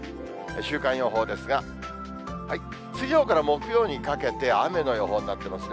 週間予報ですが、水曜から木曜にかけて雨の予報になっていますね。